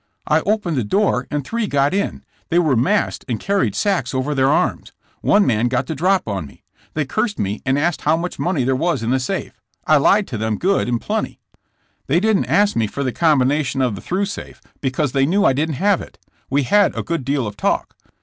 I opened the door and three got in. They were masked and carried sacks over their arms. One man got the drop on me. They cursed me and asked how much money there was in the safe. I lied to them good and plenty. ''They didn't ask me for the combination of the through safe, because they knew I didn't have it* ^e had a good deal of talk.